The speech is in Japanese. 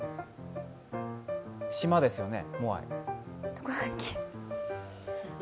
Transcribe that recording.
島ですよね。